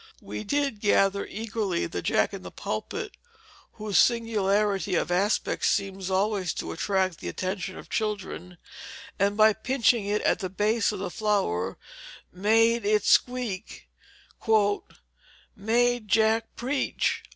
We did gather eagerly the jack in the pulpit, whose singularity of aspect seems always to attract the attention of children, and by pinching it at the base of the flower made it squeak, "made Jack preach."